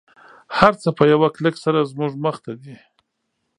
هر څه په یوه کلیک سره زموږ مخته دی